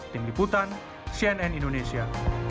tim liputan cnn indonesia